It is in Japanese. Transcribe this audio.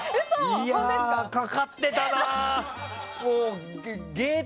いやー、かかってたなー。